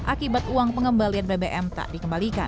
akibat uang pengembalian bbm tak dikembalikan